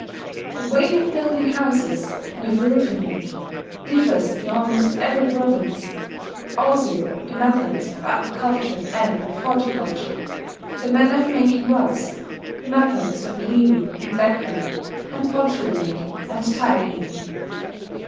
The way of building houses, and of roofing them, differs in almost every province, also the methods of agriculture and of horticulture, the manner of making wells, the methods of weaving and lacquering and pottery making and tile baking.